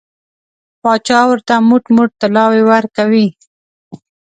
پاچا ورته موټ موټ طلاوې ورکوي.